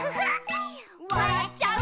「わらっちゃう」